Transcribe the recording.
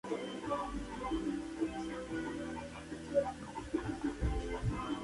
Las temperaturas en planetas más alejados del Sol que la Tierra son mucho menores.